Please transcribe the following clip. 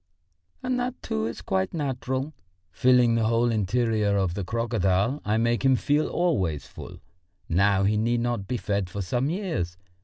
And that, too, is quite natural; filling the whole interior of the crocodile I make him feel always full. Now he need not be fed for some years.